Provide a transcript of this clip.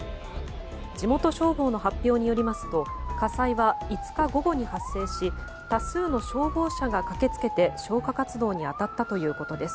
地元消防の発表によりますと火災は５日午後に発生し多数の消防車が駆けつけて消火活動に当たったということです。